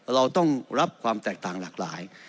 เราต้องรับความแตกต่างหลากหลาย